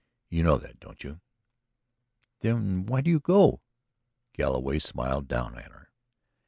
You know that, don't you?" "Then why do you go?" Galloway smiled down at her.